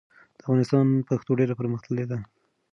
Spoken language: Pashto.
د افغانستان پښتو ډېره پرمختللې ده.